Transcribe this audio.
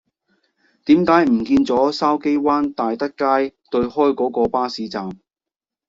點解唔見左筲箕灣大德街對開嗰個巴士站